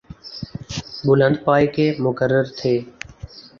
بلند پائے کے مقرر تھے۔